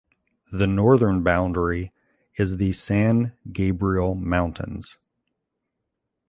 The northern boundary is the San Gabriel Mountains.